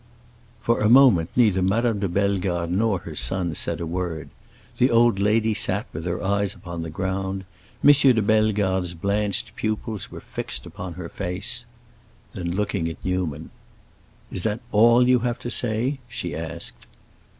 For a moment neither Madame de Bellegarde nor her son said a word; the old lady sat with her eyes upon the ground; M. de Bellegarde's blanched pupils were fixed upon her face. Then, looking at Newman, "Is that all you have to say?" she asked.